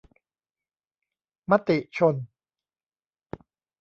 มติชน